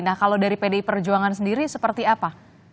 nah kalau dari pdi perjuangan sendiri seperti apa